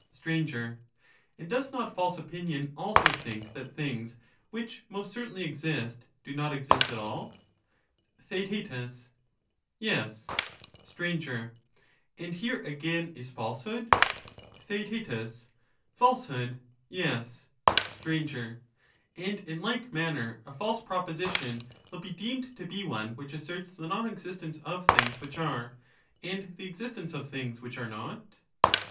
Str, And does not false opinion also think that things which most certainly exist do not exist at all ? Theaet, Yes. Str, And here, again, is falsehood ? Theaet, Falsehood— ^yes. Str, And in like manner, a false proposition will be deemed to be one which asserts the non existence of things which are, and the existence of things which are not.